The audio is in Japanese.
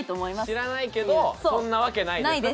知らないけど「そんなわけないです」って言う？